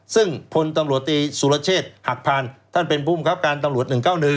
ซึ่งพลตำรวจตีสุรเชษฐ์หักพานท่านเป็นภูมิครับการตำรวจ๑๙๑